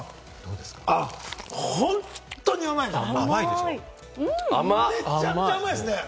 本当に甘いですね！